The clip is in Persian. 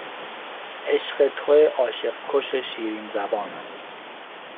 عشق توئه عاشق کش شیرین زبانم